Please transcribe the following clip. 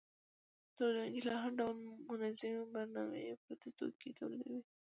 تولیدونکي له هر ډول منظمې برنامې پرته توکي تولیدوي